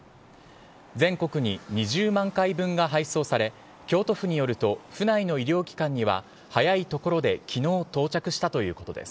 全国に２０万回分が配送され、京都府によると府内の医療機関には、早いところできのう到着したということです。